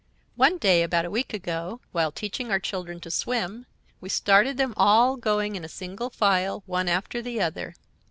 "One day, about a week ago, while teaching our children to swim, we started them all going in single file, one after the other.